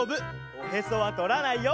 おへそはとらないよ。